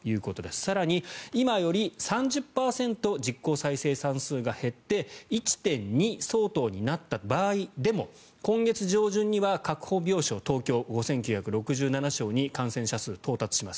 更に今より３０％実効再生産数が減って１．２相当になった場合でも今月上旬には確保病床、東京は５９６７床に感染者数が到達します。